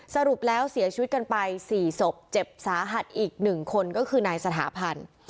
สรุปแล้วเสียชีวิตกันไป๔ศพเจ็บสาหัสอีก๑คนก็คือนายสถาพันธ์